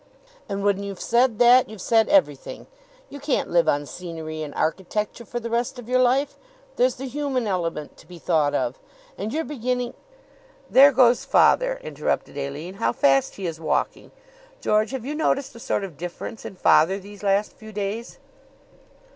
"And when you've said that you've said everything. You can't live on scenery and architecture for the rest of your life. There's the human element to be thought of. And you're beginning " "There goes father," interrupted Aline. "How fast he is walking! George, have you noticed a sort of difference in father these last few days?"